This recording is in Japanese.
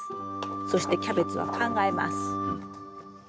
そしてキャベツは考えます。